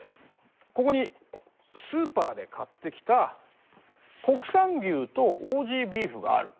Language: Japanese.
ここにスーパーで買ってきた国産牛とオージービーフがある。